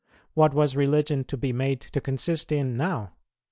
What was religion to be made to consist in now?